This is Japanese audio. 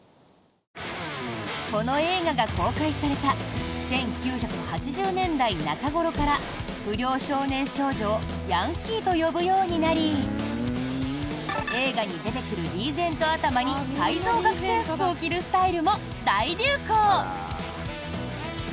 この映画が公開された１９８０年代中頃から不良少年・少女をヤンキーと呼ぶようになり映画に出てくるリーゼント頭に改造学生服を着るスタイルも大流行。